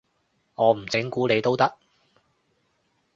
我唔整蠱你都得